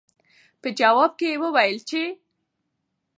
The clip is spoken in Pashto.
پۀ جواب کښې يې وويل چې